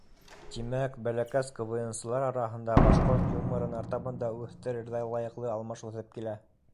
Тимәк, бәләкәс квнсылар араһында башҡорт юморын артабан да үҫтерерҙәй лайыҡлы алмаш үҫеп килә.